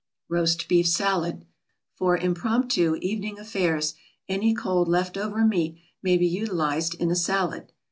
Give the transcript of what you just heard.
ROAST BEEF SALAD For impromptu evening affairs any cold left over meat may be utilized in a salad.